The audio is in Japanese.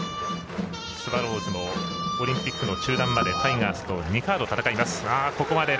スワローズもオリンピックの中断までタイガースと２カード戦います。